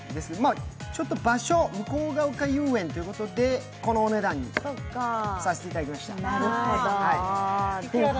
ちょっと場所、向ケ丘遊園ということでこのお値段にさせていただきました。